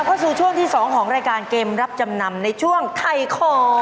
เข้าสู่ช่วงที่๒ของรายการเกมรับจำนำในช่วงถ่ายของ